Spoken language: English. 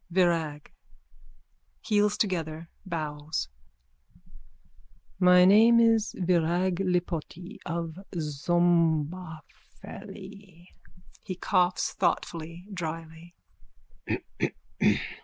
_ VIRAG: (Heels together, bows.) My name is Virag Lipoti, of Szombathely. _(He coughs thoughtfully, drily.)